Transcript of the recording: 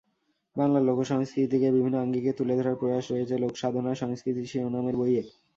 বাংলার লোকসংস্কৃতিকে বিভিন্ন আঙ্গিকে তুলে ধরার প্রয়াস রয়েছে লোকসাধনার সংস্কৃতি শিরোনামের বইয়ে।